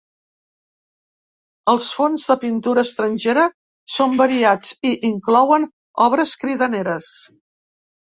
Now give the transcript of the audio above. Els fons de pintura estrangera són variats i inclouen obres cridaneres.